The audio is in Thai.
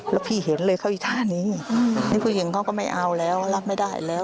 แล้วพี่เห็นเลยเขาอีกท่านี้นี่ผู้หญิงเขาก็ไม่เอาแล้วรับไม่ได้แล้ว